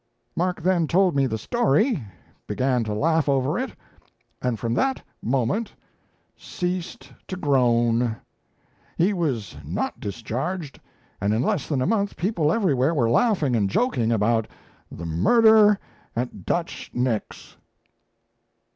Mark then told me the story, began to laugh over it, and from that moment "ceased to groan." He was not discharged, and in less than a month people everywhere were laughing and joking about the "murder at Dutch Nick's."